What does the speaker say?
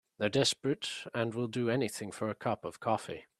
They're desperate and will do anything for a cup of coffee.